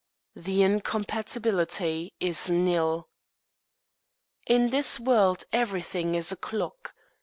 The incompatibility is nil. In this world everything is a clock.